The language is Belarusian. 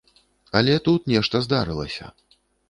Але тут нешта здарылася.